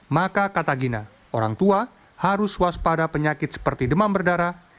maka kata gina orang tua harus waspada penyakit seperti demam berdarah